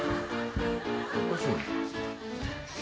おかしいな。